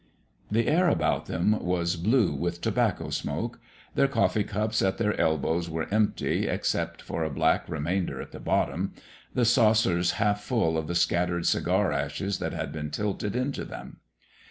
The air about them was blue with tobacco smoke. Their coffee cups at their elbows were empty, except for a black remainder at the bottom; the saucers half full of the scattered cigar ashes that had been tilted into them.